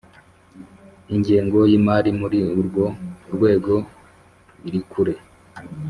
Ingengo y ‘imari muri urwo rwego irikure.